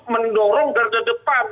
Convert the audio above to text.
mendorong kerja depan